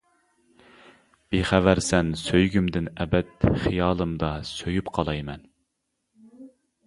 بىخەۋەرسەن سۆيگۈمدىن ئەبەد خىيالىمدا سۆيۈپ قالاي مەن.